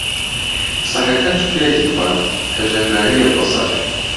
سەگەکە چوکلێتی خوارد، کە ژەهراوییە بۆ سەگ.